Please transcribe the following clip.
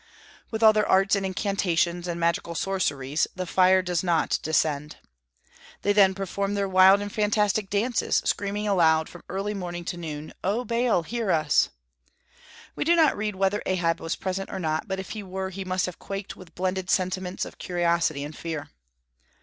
With all their arts and incantations and magical sorceries, the fire does not descend. They then perform their wild and fantastic dances, screaming aloud, from early morn to noon, "O Baal, hear us!" We do not read whether Ahab was present or not, but if he were he must have quaked with blended sentiments of curiosity and fear.